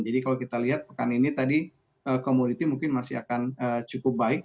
jadi kalau kita lihat pekan ini tadi komoditi mungkin masih akan cukup baik